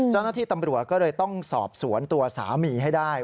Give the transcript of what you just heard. เจ้าหน้าที่ตำรวจก็เลยต้องสอบสวนตัวสามีให้ได้